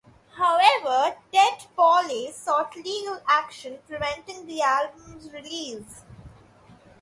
However, Ted Poley sought legal action, preventing the album's release.